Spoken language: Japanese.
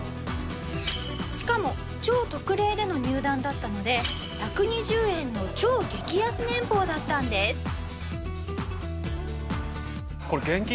しかも超特例での入団だったので１２０円の超激安年俸だったんです。